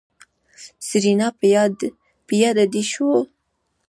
سېرېنا په ياده دې شوه.